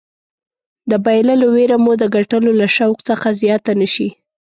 د بایللو ویره مو د ګټلو له شوق څخه زیاته نه شي.